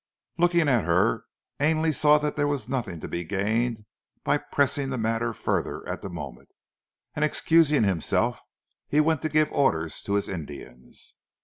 Looking at her, Ainley saw that there was nothing to be gained by pressing the matter further at that moment; and excusing himself he went to give orders to his Indians.